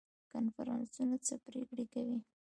کنفرانسونه څه پریکړې کوي؟